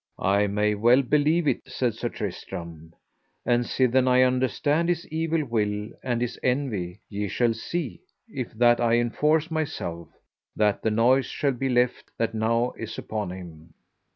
I may well believe it, said Sir Tristram. And sithen I understand his evil will and his envy, ye shall see, if that I enforce myself, that the noise shall be left that now is upon him.